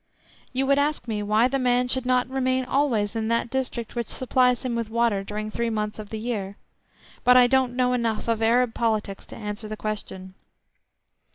You would ask me why the man should not remain always in that district which supplies him with water during three months of the year, but I don't know enough of Arab politics to answer the question.